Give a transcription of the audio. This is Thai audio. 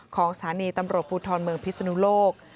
สถานีตำรวจภูทรเมืองพิศนุโลก